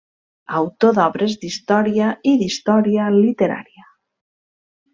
Autor d'obres d'història i d'història literària.